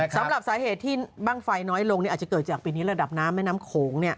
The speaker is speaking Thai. สำหรับสาเหตุที่บ้างไฟน้อยลงอาจจะเกิดจากปีนี้ระดับน้ำแม่น้ำโขง